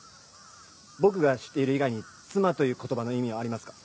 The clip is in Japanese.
僕が知っている以外に「妻」という言葉の意味はありますか？